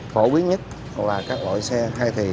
phổ biến nhất là các loại xe hay thì